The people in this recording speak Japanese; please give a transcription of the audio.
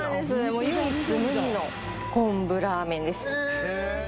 もう唯一無二の昆布ラーメンですへえ